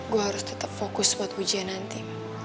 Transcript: gua harus tetep fokus buat ujian nanti